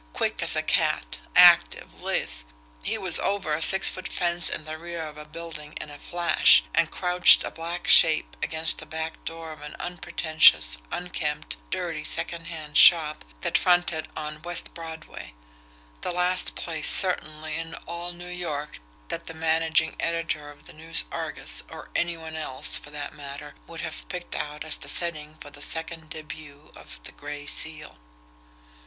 Quick as a cat, active, lithe, he was over a six foot fence in the rear of a building in a flash, and crouched a black shape, against the back door of an unpretentious, unkempt, dirty, secondhand shop that fronted on West Broadway the last place certainly in all New York that the managing editor of the NEWS ARGUS, or any one else, for that matter, would have picked out as the setting for the second debut of the Gray Seal.